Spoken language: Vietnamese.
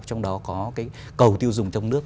trong đó có cái cầu tiêu dùng trong nước